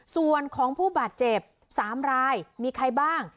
ส่วนของผู้บาดเจ็บ๓รายมีใครบ้าง